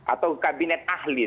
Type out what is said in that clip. atau kabinet ahli